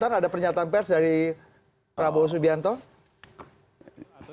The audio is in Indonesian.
ada pernyataan pers dari prabowo subianto